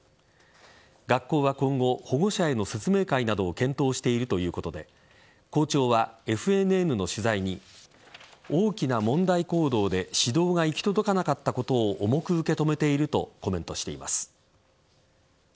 学校は今後保護者への説明会などを検討しているということで校長は、ＦＮＮの取材に大きな問題行動で指導が行き届かなかったことを重く受け止めているとコメントしています。